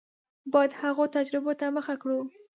باید هغو تجربو ته مخه کړو.